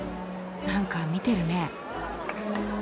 なんか見てるね。